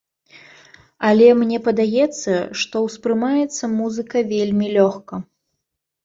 Але мне падаецца, што ўспрымаецца музыка вельмі лёгка.